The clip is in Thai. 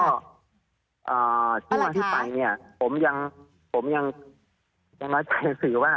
แล้วก็ที่วันที่ไปเนี่ยผมยังน้อยใจคือว่า